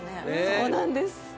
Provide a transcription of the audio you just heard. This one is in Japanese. そうなんです。